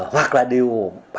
hoặc là điều hai trăm tám mươi tám